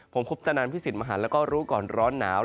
ผมคุปตนันพิสิทธิมหันแล้วก็รู้ก่อนร้อนหนาว